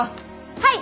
はい！